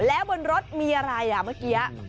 แล้วบนรถมีอะไรเมื่อกี้